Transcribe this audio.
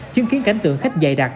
chứng kiến cảnh tượng khách dài đặc